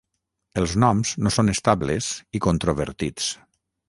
Els noms no són estables i controvertits.